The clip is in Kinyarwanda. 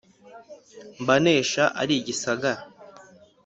mbanesha ari igisagara